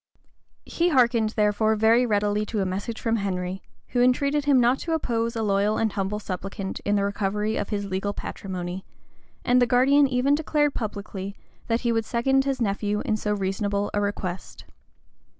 He hearkened therefore very readily to a message from Henry, who entreated him not to oppose a loyal and humble supplicant in the recovery of his legal patrimony; and the guardian even declared publicly that he would second his nephew in so reasonable a request.